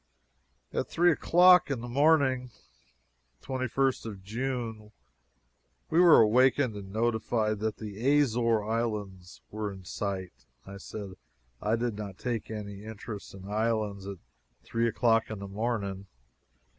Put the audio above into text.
At three o'clock on the morning of the twenty first of June, we were awakened and notified that the Azores islands were in sight. I said I did not take any interest in islands at three o'clock in the morning.